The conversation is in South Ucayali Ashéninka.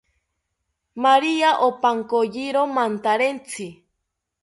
Maria opankayiro mantarentzi